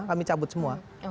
kami cabut semua